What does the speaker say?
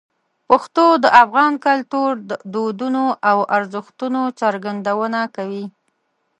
پښتو د افغان کلتور، دودونو او ارزښتونو څرګندونه کوي.